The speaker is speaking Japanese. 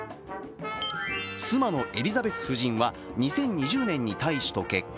妻のエリザベス夫人は２０２０年に大使と結婚。